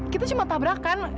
kita cuma tabrakan